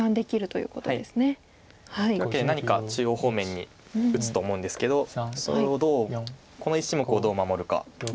というわけで何か中央方面に打つと思うんですけどそれをこの１目をどう守るか。